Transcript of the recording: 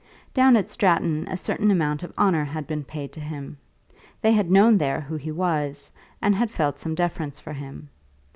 Down at Stratton, a certain amount of honour had been paid to him. They had known there who he was, and had felt some deference for him.